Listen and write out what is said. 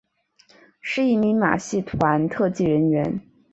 是一名马戏团特技人员。